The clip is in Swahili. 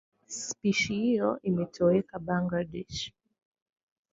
Spishi hiyo imetoweka Bangladesh.